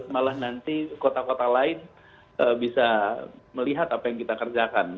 malah nanti kota kota lain bisa melihat apa yang kita kerjakan